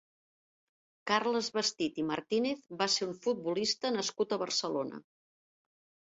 Carles Bestit i Martínez va ser un futbolista nascut a Barcelona.